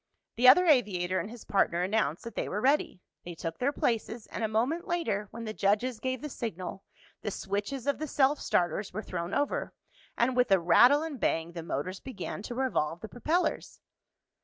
The other aviator and his partner announced that they were ready. They took their places, and a moment later, when the judges gave the signal, the switches of the self starters were thrown over and with a rattle and bang the motors began to revolve the propellers.